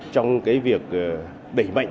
trong việc đẩy mạnh